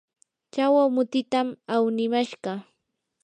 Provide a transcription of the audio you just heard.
chawa mutitam awnimashqa.